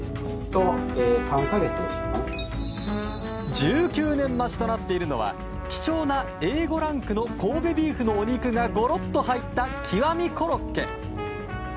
１９年待ちとなっているのは貴重なＡ５ランクの神戸ビーフのお肉がごろっと入った極みコロッケ。